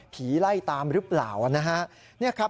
ผีไล่ตามรึเปล่านี่ครับ